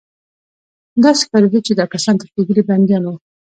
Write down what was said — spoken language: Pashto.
داسې ښکارېده چې دا کسان تښتېدلي بندیان وو